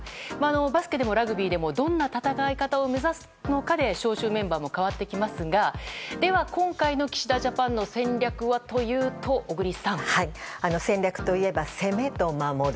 バスケでもラグビーでもどんな戦い方を目指すのかで招集メンバーも変わってきますがでは、今回の岸田ジャパンの戦略はというと戦略といえば攻めと守り。